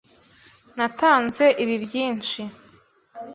Natanze ibi byinshi.